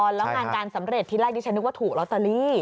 แล้วงานการสำเร็จที่แรกที่ฉันนึกว่าถูกแล้วสลีก